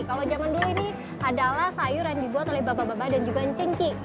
kalau zaman dulu ini adalah sayur yang dibuat oleh bab bab bab dan juga cengkih